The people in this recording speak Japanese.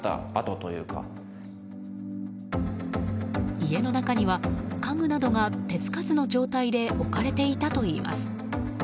家の中には家具などが手つかずの状態で置かれていたといいます。